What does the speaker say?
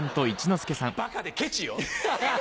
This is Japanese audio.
バカでケチよ！